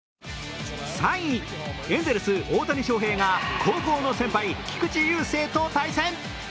エンゼルス・大谷翔平が高校の先輩・菊池雄星と対戦。